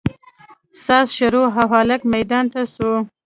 ساز شروع او هلک ميدان ته سو.